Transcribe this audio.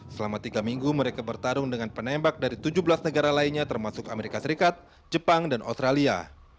selama tiga minggu mereka bertarung dengan penembak dari tujuh belas negara lainnya termasuk amerika serikat jepang dan australia